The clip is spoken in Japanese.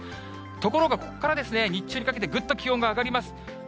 ところがここから日中にかけて、ぐっと気温が上がります。